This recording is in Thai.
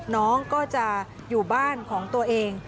น้องก็จะอยู่บ้านของตัวเอง